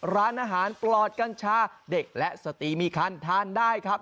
ร้านอาหารปลอดกัญชาเด็กและสตรีมีคันทานได้ครับ